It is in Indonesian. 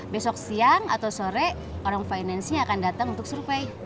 besok siang atau sore orang finance nya akan datang untuk survei